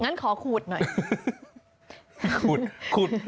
งั้นขอขูดหน่อย